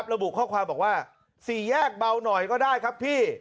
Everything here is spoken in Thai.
ระบุข้อความบอกว่าสี่แยกเบาหน่อยก็ได้ครับพี่